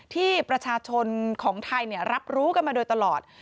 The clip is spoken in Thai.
ที่ประชาชนของไทยรับรู้กันมาโดยตลอด